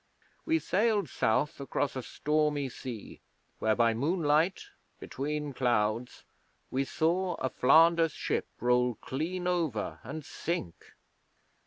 We sailed South across a stormy sea, where by moonlight, between clouds, we saw a Flanders ship roll clean over and sink.